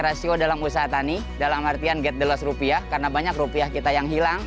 dengan r c ratio dalam usaha tani dalam artian get the loss rupiah karena banyak rupiah kita yang hilang